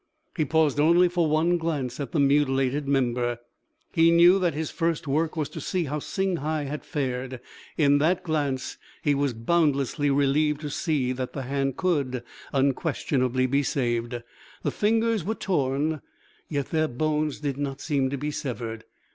He paused only for one glance at the mutilated member. He knew that his first work was to see how Singhai had fared. In that glance he was boundlessly relieved to see that the hand could unquestionably be saved. The fingers were torn, yet their bones did not seem to be severed.